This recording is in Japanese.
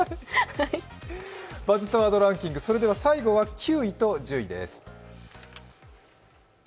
「バズったワードランキング」最後は９位と１０位です。